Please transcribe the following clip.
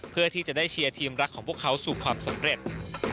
เพื่อที่จะได้เชียร์ทีมรักของพวกเขาสู่ความสำเร็จ